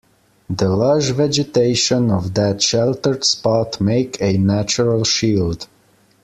The lush vegetation of that sheltered spot make a natural shield.